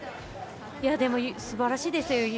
でも、すばらしいですよ。